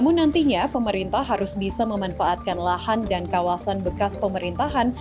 namun nantinya pemerintah harus bisa memanfaatkan lahan dan kawasan bekas pemerintahan